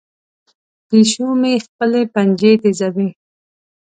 پیشو مې خپلې پنجې تیزوي.